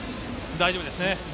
大丈夫ですね。